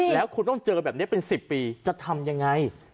แล้วคุณต้องเจอแบบนี้เป็น๑๐ปีจะทำยังไง